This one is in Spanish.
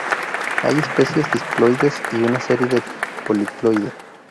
Hay especies diploides y una serie poliploide.